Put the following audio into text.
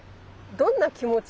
どんな気持ち？